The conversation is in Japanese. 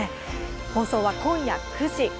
放送は、今夜９時。